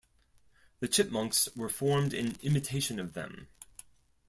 The Chipmunks were formed in imitation of them.